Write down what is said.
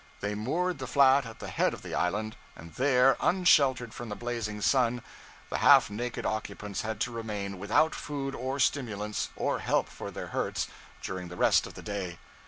They moored the flat at the head of the island, and there, unsheltered from the blazing sun, the half naked occupants had to remain, without food or stimulants, or help for their hurts, during the rest of the day.